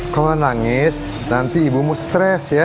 kalau nangis nanti ibu mau stres ya